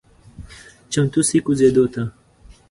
چمتو شئ کوزیدو ته…